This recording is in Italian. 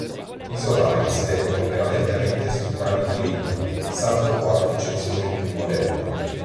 I solai si reggono prevalentemente su travi di legno, salvo qualche eccezione più moderna.